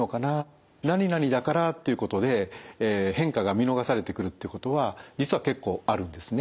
何々だからということで変化が見逃されてくるってことは実は結構あるんですね。